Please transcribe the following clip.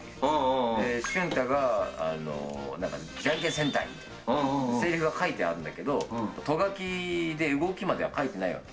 瞬太がなんかじゃんけん戦隊みたいな、せりふが書いてあるんだけど、ト書きで動きまでは書いてないわけ。